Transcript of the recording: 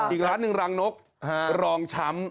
อีกร้านหนึ่งรังนกรองช้ำ